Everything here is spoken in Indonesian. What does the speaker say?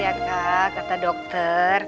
ya kak kata dokter